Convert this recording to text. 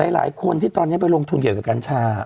หลายคนที่ตอนนี้ไปลงทุนเกี่ยวกับกัญชา